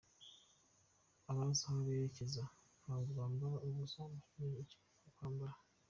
Abazi aho berekeza ntabwo bambara ubusa mu gihe cyo kwambara.